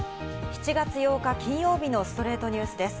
７月８日、金曜日の『ストレイトニュース』です。